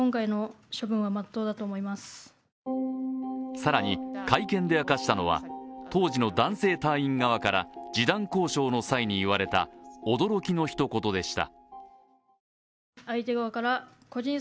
更に、会見で明かしたのは当時の男性隊員側から示談交渉の際に言われた驚きのひと言でした。